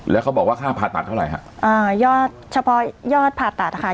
แล้วเขาบอกว่าค่าผ่าตัดเท่าไหร่ค่ะ